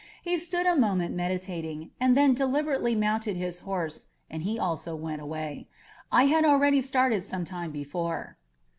He stood a moment meditating, and then deliberately mounted his horse and he also went away. I had al ready started some time before.